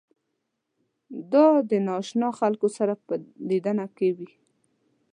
دا د نااشنا خلکو سره په لیدنه کې وي.